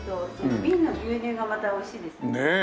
ビンの牛乳がまたおいしいですよね。